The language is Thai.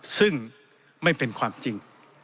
ซึ่งไม่เป็นความจริง